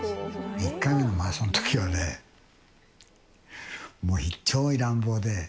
１回目のマラソンのときはね、もう非常に乱暴で。